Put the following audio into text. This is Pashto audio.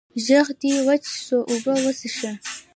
ږغ دي وچ سو، اوبه وڅيښه!